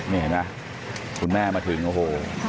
นี่เห็นไหมคุณแม่มาถึงโอ้โห